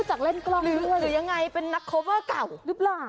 หรือยังไงเป็นนักโคเวอร์เก่า